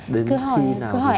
đến khi nào thì em biết